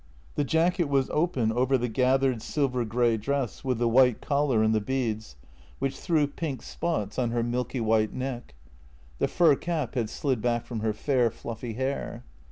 The jacket was open over the gathered silver grey dress with the white collar and the beads, which threw pink spots on her 44 JENNY milky white neck. The fur cap had slid back from her fair, fluffy hair.